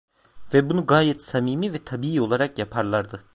Ve bunu gayet samimi ve tabii olarak yaparlardı.